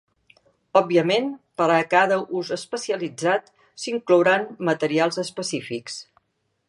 Òbviament per a cada ús especialitzat, s'inclouran materials específics.